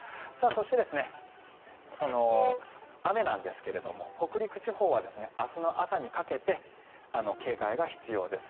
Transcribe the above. そして、雨なんですが北陸地方は明日の朝にかけて警戒が必要です。